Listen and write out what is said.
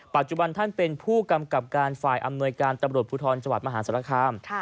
ปัจจุบันท่านเป็นผู้กำกับการฝ่ายอำนวยการตำรวจภูทรจังหวัดมหาศาลคาม